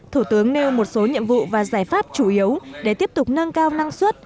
thủ tướng nêu một số nhiệm vụ và giải pháp chủ yếu để tiếp tục nâng cao năng suất